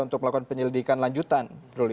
untuk melakukan penyelidikan lanjutan